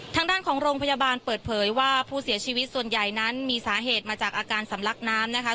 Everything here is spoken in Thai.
ทางด้านของโรงพยาบาลเปิดเผยว่าผู้เสียชีวิตส่วนใหญ่นั้นมีสาเหตุมาจากอาการสำลักน้ำนะคะ